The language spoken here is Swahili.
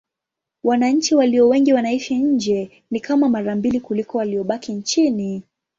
Wananchi walio wengi wanaishi nje: ni kama mara mbili kuliko waliobaki nchini.